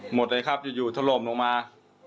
หมดเลยครับอยู่ถล่มลงมา